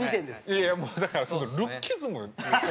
いやいやもうだからルッキズム。